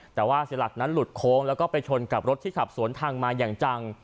แต่ว่าเสียหลักนั้นหลุดโค้งแล้วก็ไปชนกับรถที่ขับสวนทางมาอย่างจัง